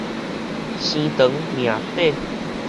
生長命短